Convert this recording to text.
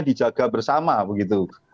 dijaga bersama begitu